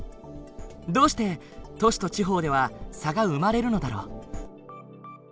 どうして都市と地方では差が生まれるのだろう？